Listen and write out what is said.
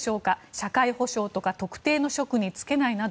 社会保障とか特定の職に就けないなど。